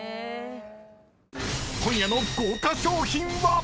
［今夜の豪華賞品は⁉］